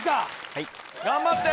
はい・頑張って！